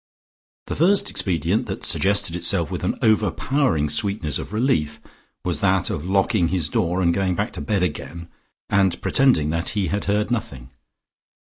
The first expedient that suggested itself with an overpowering sweetness of relief, was that of locking his door, going back to bed again, and pretending that he had heard nothing.